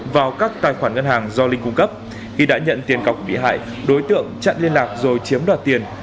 vào các tài khoản ngân hàng do linh cung cấp khi đã nhận tiền cọc bị hại đối tượng chặn liên lạc rồi chiếm đoạt tiền